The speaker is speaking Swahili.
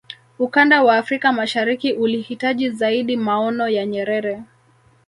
ukanda wa afrika mashariki ulihitaji zaidi maono ya nyerere